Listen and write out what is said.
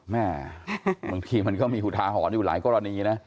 แม่บางทีมันก็มีหุดหาหอนอยู่หลายกรณ์อย่างนี้นะ